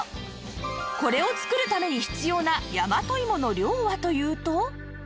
これを作るために必要な大和芋の量はというと